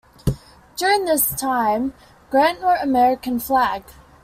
During this time, Grant wrote American Flagg!